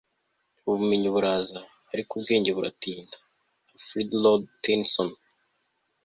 ubumenyi buraza, ariko ubwenge buratinda. - alfred lord tennyson